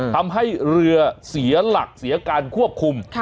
ทำให้เรือเสียหลักเสียการควบคุม